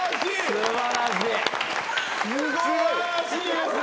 素晴らしいですね。